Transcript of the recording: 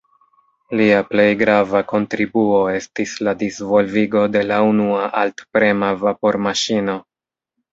Lia plej grava kontribuo estis la disvolvigo de la unua alt-prema vapormaŝino.